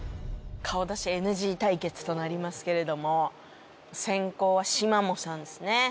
顔出しＮＧ対決となりますけれども先攻はしまもさんですね。